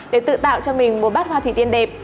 để tự tạo cho mình một bát hoa kỳ tiên đẹp